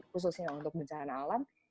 khususnya untuk bencana alam